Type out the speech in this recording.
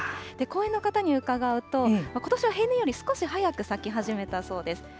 公園の方に伺うと、ことしは平年より少し早く咲き始めたそうです。